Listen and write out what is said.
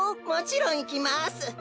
もちろんいきます。